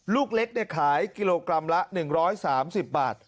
ลูกเล็กได้ขาย๑๒๐บาท